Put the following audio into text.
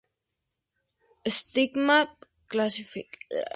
Systematic Classification of the Collections".